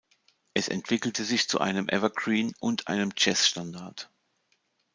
Es entwickelte sich zu einem Evergreen und einem Jazzstandard.